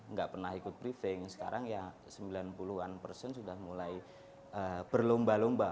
nggak pernah ikut briefing sekarang ya sembilan puluh an persen sudah mulai berlomba lomba